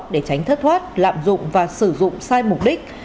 để tránh thất thoát lạm dụng và sử dụng sai mục đích